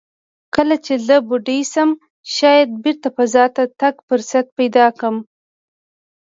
کله چې زه بوډۍ شم، شاید بېرته فضا ته د تګ فرصت پیدا کړم."